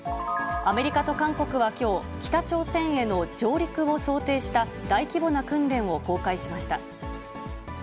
アメリカと韓国はきょう、北朝鮮への上陸を想定した大規模な訓練を公開しました。